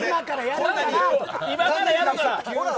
今からやるからとか。